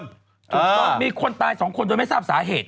ถูกต้องมีคนตายสองคนโดยไม่ทราบสาเหตุ